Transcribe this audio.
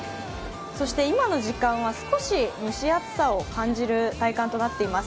そして今の時間は少し蒸し暑さを感じる体感となっています。